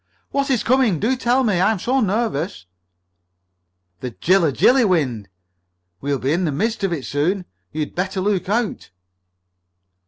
"What is coming? Do tell me. I am so very nervous." "The Jilla Jilly wind! We'll be in the midst of it soon. You'd better look out!"